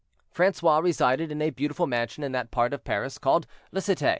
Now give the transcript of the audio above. Francois resided in a beautiful mansion in that part of Paris called La Cité.